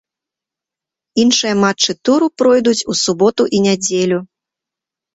Іншыя матчы туру пройдуць у суботу і нядзелю.